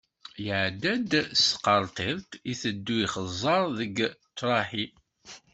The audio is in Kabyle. Iɛedda-d s tqerṭilt, iteddu ixeẓẓer deg ṭṭraḥi.